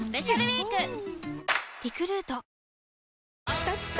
きたきた！